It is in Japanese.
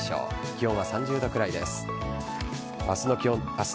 気温は３０度くらいです。